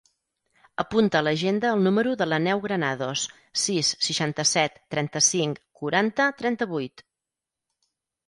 Apunta a l'agenda el número de l'Aneu Granados: sis, seixanta-set, trenta-cinc, quaranta, trenta-vuit.